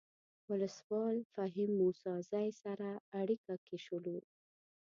ولسوال فهیم موسی زی سره اړیکه کې شولو.